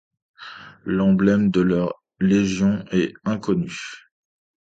L'emblème de la légion est inconnu.